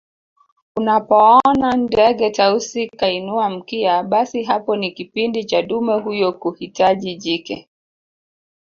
Unapoona ndege Tausi kainua mkia basi hapo ni kipindi cha dume huyo kuhitaji jike